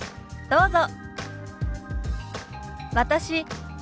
どうぞ。